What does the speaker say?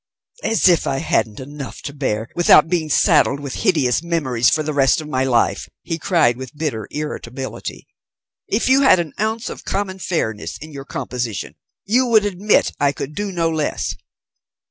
"As if I hadn't enough to bear without being saddled with hideous memories for the rest of my life!" he cried with bitter irritability. "If you had an ounce of common fairness in your composition you would admit I could do no less.